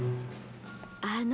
あの。